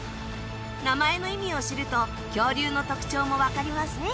名前の意味を知ると恐竜の特徴もわかりますね。